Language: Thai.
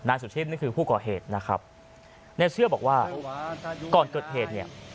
สุชีพนี่คือผู้ก่อเหตุนะครับในเชื่อบอกว่าก่อนเกิดเหตุเนี่ย